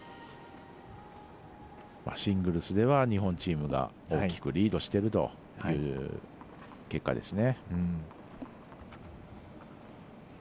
シングルスでは日本チームが大きくリードしてるという結果ですね。